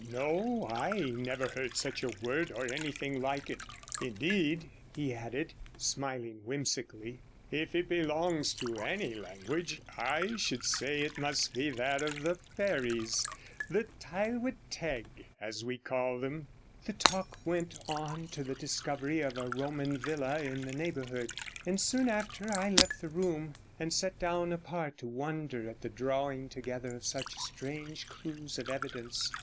'No, I never heard such a word, or anything like it. Indeed,' he added, smiling whimsically, 'if it belongs to any language, I should say it must be that of the fairies the Tylwydd Teg, as we call them.' 64 The talk went on to the discovery of a Roman villa in the neighbourhood; and soon after I left the room, and sat down apart to wonder at the drawing together of such strange clues of evidence.